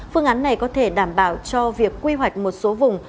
phương án này có thể đảm bảo cho việc quy hoạch một số vùng